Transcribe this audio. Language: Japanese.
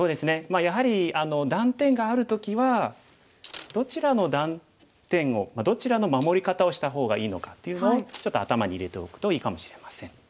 やはり断点がある時はどちらの断点をどちらの守り方をした方がいいのかっていうのをちょっと頭に入れておくといいかもしれません。